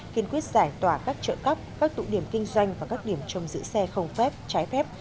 kiên quyết giải tỏa các chợ cóc các tụ điểm kinh doanh và các điểm trông giữ xe không phép trái phép